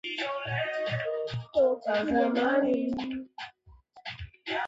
maji ya ruaha ni muhimu kwa ekolojia